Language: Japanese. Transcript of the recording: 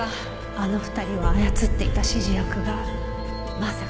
あの２人を操っていた指示役がまさか京都にいたなんて。